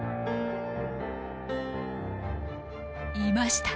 いました。